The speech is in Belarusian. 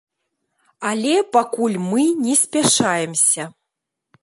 Але пакуль мы не спяшаемся.